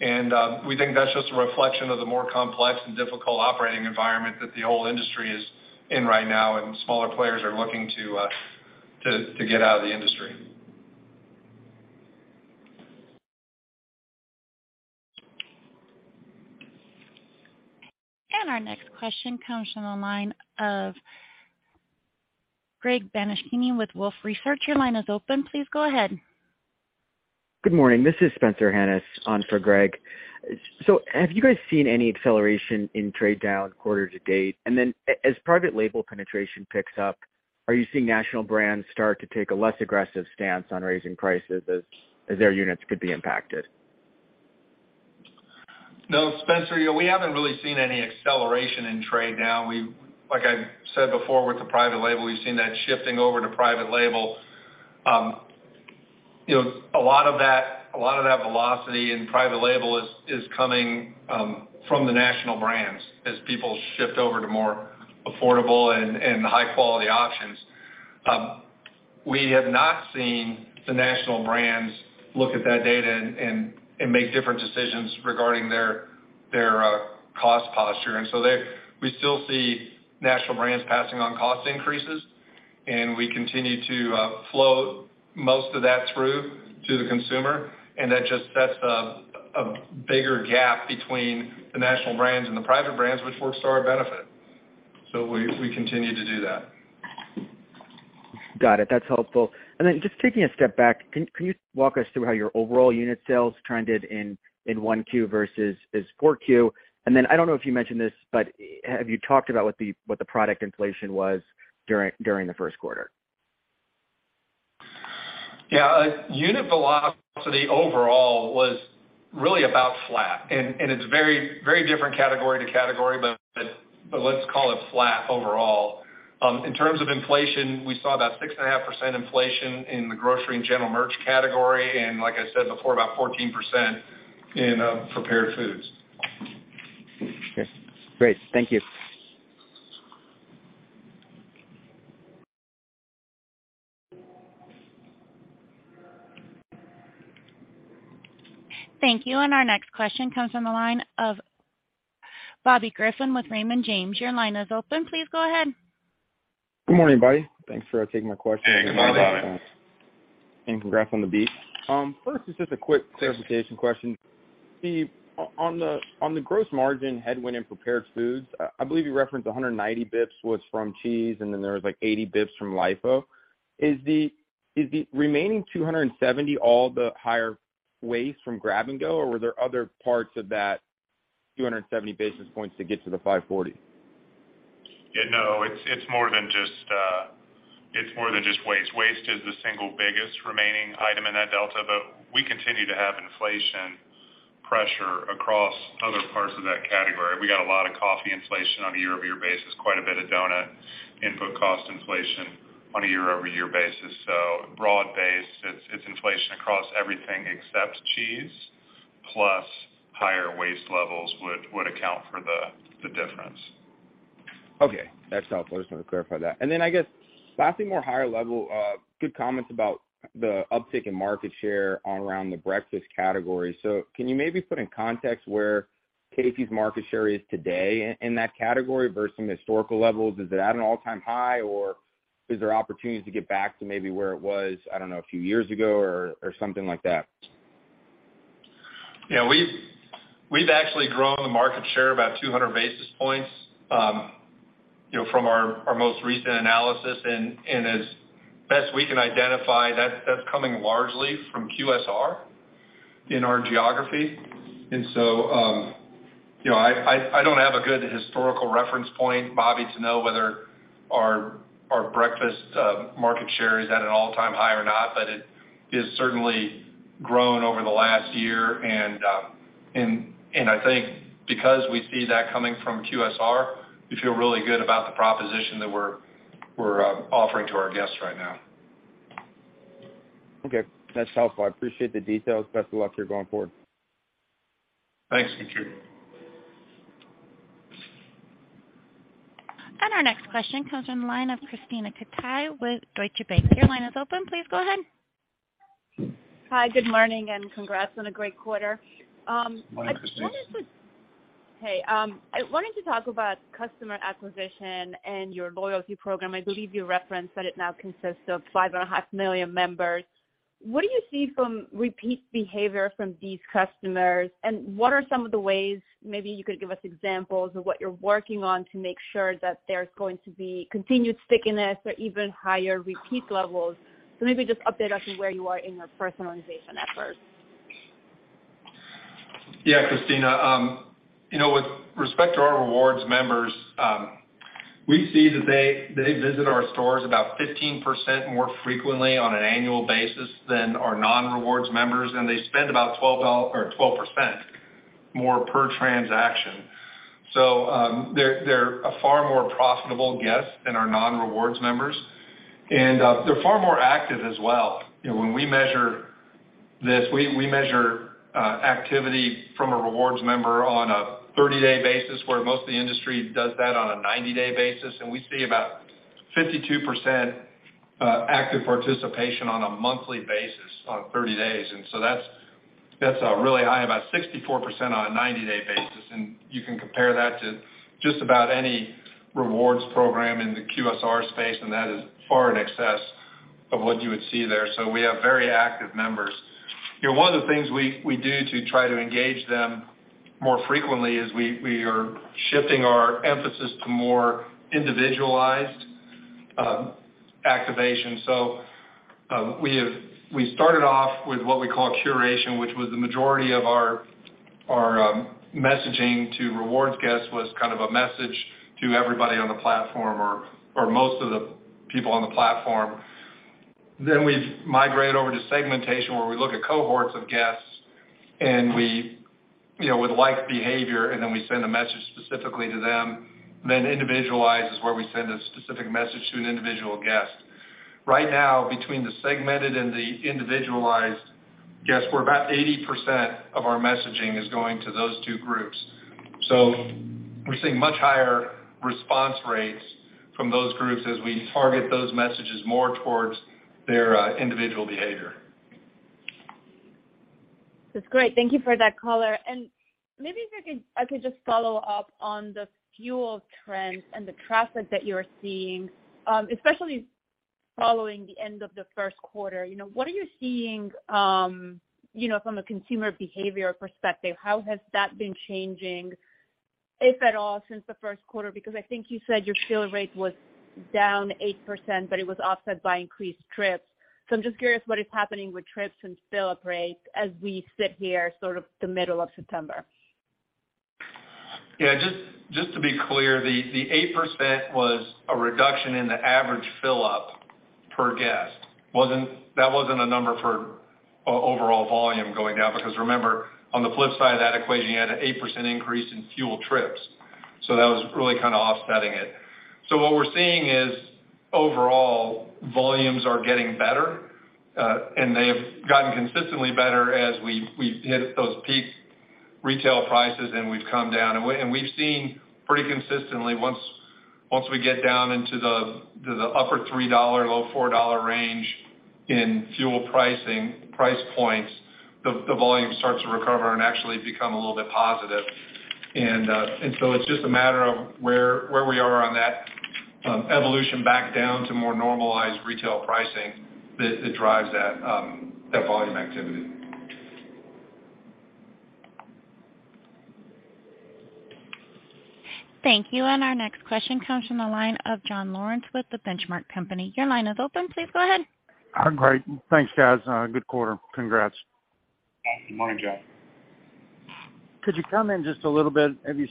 We think that's just a reflection of the more complex and difficult operating environment that the whole industry is in right now and smaller players are looking to get out of the industry. Our next question comes from the line of Greg Badishkanian with Wolfe Research. Your line is open. Please go ahead. Good morning, this is Spencer Hanus on for Greg. Have you guys seen any acceleration in trade down quarter to date? As private label penetration picks up, are you seeing national brands start to take a less aggressive stance on raising prices as their units could be impacted? No, Spencer, yeah, we haven't really seen any acceleration in trade now. Like I said before, with the private label, we've seen that shifting over to private label. You know, a lot of that velocity in private label is coming from the national brands as people shift over to more affordable and high-quality options. We have not seen the national brands look at that data and make different decisions regarding their cost posture. We still see national brands passing on cost increases, and we continue to flow most of that through to the consumer. That just sets a bigger gap between the national brands and the private brands, which works to our benefit. We continue to do that. Got it. That's helpful. Just taking a step back, can you walk us through how your overall unit sales trended in 1Q versus Q4? I don't know if you mentioned this, but have you talked about what the product inflation was during the first quarter? Yeah. Unit velocity overall was really about flat. It's very different category to category, but let's call it flat overall. In terms of inflation, we saw about 6.5% inflation in the grocery and general merchandise category. Like I said before, about 14% in prepared food. Okay, great. Thank you. Thank you. Our next question comes from the line of Bobby Griffin with Raymond James. Your line is open. Please go ahead. Good morning, Bobby. Thanks for taking my question. Hey, good morning, Bobby. Congrats on the beat. First is just a quick clarification question. On the gross margin headwind in prepared foods, I believe you referenced 190 basis points was from cheese, and then there was, like, 80 basis points from LIFO. Is the remaining 270 all the higher waste from grab-and-go, or were there other parts of that 270 basis points to get to the 540? Yeah, no, it's more than just waste. Waste is the single biggest remaining item in that delta. We continue to have inflation pressure across other parts of that category. We got a lot of coffee inflation on a year-over-year basis, quite a bit of donut input cost inflation on a year-over-year basis. Broad-based, it's inflation across everything except cheese, plus higher waste levels would account for the difference. Okay, that's helpful. Just want to clarify that. Then I guess lastly, more higher level, good comments about the uptick in market share around the breakfast category. Can you maybe put in context where Casey's market share is today in that category versus historical levels? Is it at an all-time high, or is there opportunities to get back to maybe where it was, I don't know, a few years ago or something like that? Yeah, we've actually grown the market share about 200 basis points, you know, from our most recent analysis. As best we can identify, that's coming largely from QSR in our geography. You know, I don't have a good historical reference point, Bobby, to know whether our breakfast market share is at an all-time high or not. It is certainly grown over the last year. I think because we see that coming from QSR, we feel really good about the proposition that we're offering to our guests right now. Okay. That's helpful. I appreciate the details. Best of luck here going forward. Thanks. Appreciate it. Our next question comes from the line of Krisztina Katai with Deutsche Bank. Your line is open. Please go ahead. Hi, good morning, and congrats on a great quarter. Morning, Krisztina. I wanted to talk about customer acquisition and your loyalty program. I believe you referenced that it now consists of 5.5 million members. What do you see from repeat behavior from these customers, and what are some of the ways, maybe you could give us examples of what you're working on to make sure that there's going to be continued stickiness or even higher repeat levels. Maybe just update us on where you are in your personalization efforts. Yeah, Krisztina, you know, with respect to our rewards members, we see that they visit our stores about 15% more frequently on an annual basis than our non-rewards members, and they spend about 12% more per transaction. They're a far more profitable guest than our non-rewards members. They're far more active as well. You know, when we measure this, we measure activity from a rewards member on a 30-day basis, where most of the industry does that on a 90-day basis. We see about 52% active participation on a monthly basis on 30 days. That's really high, about 64% on a 90-day basis. You can compare that to just about any rewards program in the QSR space, and that is far in excess of what you would see there. We have very active members. You know, one of the things we do to try to engage them more frequently is we are shifting our emphasis to more individualized activation. We started off with what we call curation, which was the majority of our messaging to rewards guests was kind of a message to everybody on the platform or most of the people on the platform. We've migrated over to segmentation, where we look at cohorts of guests and we, you know, with like behavior, and then we send a message specifically to them. Individualize is where we send a specific message to an individual guest. Right now, between the segmented and the individualized guests, we're about 80% of our messaging is going to those two groups. We're seeing much higher response rates from those groups as we target those messages more towards their individual behavior. That's great. Thank you for that color. Maybe if I could just follow up on the fuel trends and the traffic that you're seeing, especially following the end of the first quarter. You know, what are you seeing, you know, from a consumer behavior perspective? How has that been changing, if at all, since the first quarter? Because I think you said your fill rate was down 8%, but it was offset by increased trips. So I'm just curious what is happening with trips and fill up rates as we sit here sort of the middle of September. Yeah, just to be clear, the 8% was a reduction in the average fill up per guest. That wasn't a number for overall volume going down because remember, on the flip side of that equation, you had an 8% increase in fuel trips. That was really kind of offsetting it. What we're seeing is overall volumes are getting better, and they have gotten consistently better as we hit those peak retail prices and we've come down. We've seen pretty consistently once we get down into the upper $3, low $4 dollar range in fuel pricing, price points, the volume starts to recover and actually become a little bit positive. It's just a matter of where we are on that evolution back down to more normalized retail pricing that drives that volume activity. Thank you. Our next question comes from the line of John Lawrence with The Benchmark Company. Your line is open. Please go ahead. Great. Thanks, guys. Good quarter. Congrats. Good morning, John. Could you comment just a little bit, have you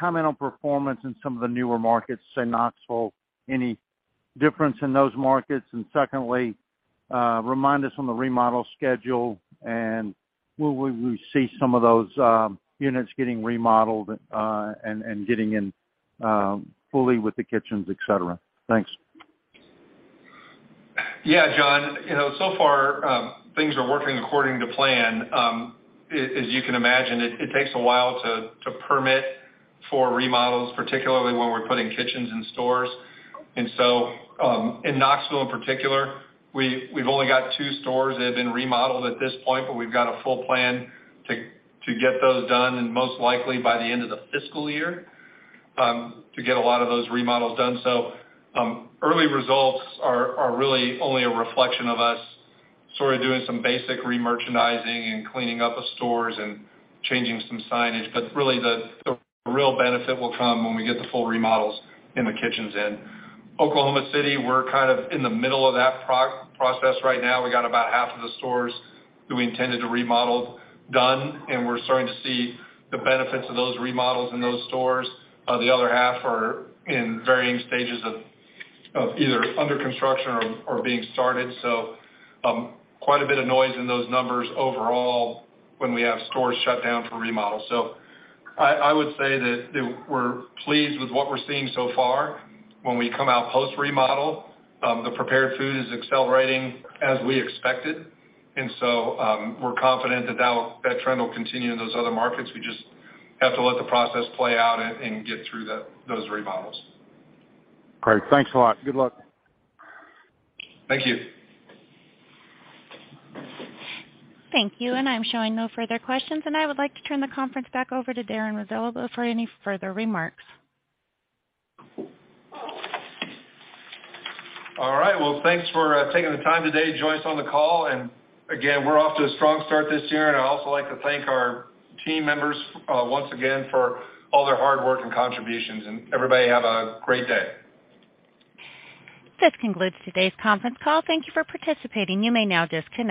seen any comment on performance in some of the newer markets, say Knoxville, any difference in those markets? Secondly, remind us on the remodel schedule and will we see some of those units getting remodeled, and getting in fully with the kitchens, et cetera? Thanks. Yeah, John. You know, so far, things are working according to plan. As you can imagine, it takes a while to permit for remodels, particularly when we're putting kitchens in stores. In Knoxville in particular, we've only got two stores that have been remodeled at this point, but we've got a full plan to get those done and most likely by the end of the fiscal year to get a lot of those remodels done. Early results are really only a reflection of us sort of doing some basic remerchandising and cleaning up of stores and changing some signage. Really the real benefit will come when we get the full remodels and the kitchens in. Oklahoma City, we're kind of in the middle of that process right now. We got about half of the stores that we intended to remodel done, and we're starting to see the benefits of those remodels in those stores. The other half are in varying stages of either under construction or being started. Quite a bit of noise in those numbers overall when we have stores shut down for remodels. I would say that we're pleased with what we're seeing so far. When we come out post remodel, the prepared food is accelerating as we expected. We're confident that that trend will continue in those other markets. We just have to let the process play out and get through those remodels. Great. Thanks a lot. Good luck. Thank you. Thank you. I'm showing no further questions, and I would like to turn the conference back over to Darren Rebelez for any further remarks. All right. Well, thanks for taking the time today to join us on the call. Again, we're off to a strong start this year. I'd also like to thank our team members once again for all their hard work and contributions. Everybody have a great day. This concludes today's conference call. Thank you for participating. You may now disconnect.